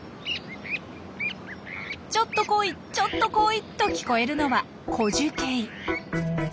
「ちょっとこいちょっとこい」と聞こえるのはコジュケイ。